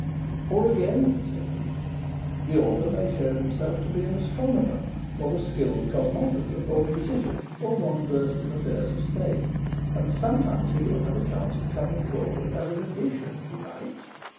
"Or again," said he, "the author may show himself to be an astronomer, or a skilled cosmographer, or musician, or one versed in affairs of state, and sometimes he will have a chance of coming forward as a magician if he likes.